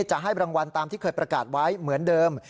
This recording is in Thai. จะให้รางวัลตามที่เคยประกาศไว้เหมือนเดิม